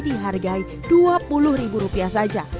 dihargai dua puluh ribu rupiah saja